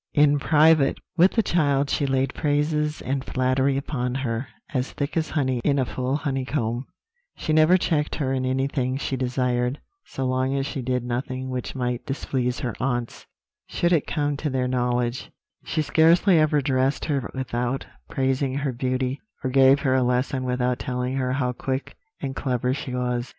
In private with the child she laid praises and flattery upon her as thick as honey in a full honeycomb; she never checked her in anything she desired, so long as she did nothing which might displease her aunts, should it come to their knowledge; she scarcely ever dressed her without praising her beauty, or gave her a lesson without telling her how quick and clever she was.